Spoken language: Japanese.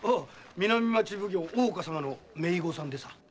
南町奉行・大岡様の姪御さんでさ。